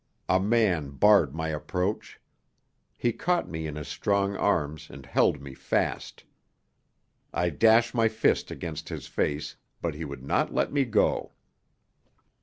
A man barred my approach. He caught me in his strong arms and held me fast. I dash my fists against his face, but he would not let me go.